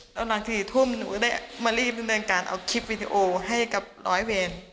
แล้วหลัง๔ทุ่มหนูได้มารีบจัดเงินการเอาคลิปวิดีโอให้กับร้อยเวร